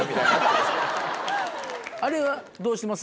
あれはどうします？